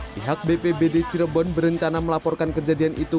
pihak bpbd cirebon berencana melaporkan kejadian itu